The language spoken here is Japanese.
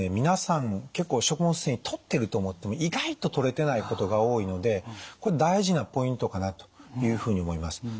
皆さん結構食物繊維とってると思っても意外ととれてないことが多いのでこれ大事なポイントかなというふうに思います。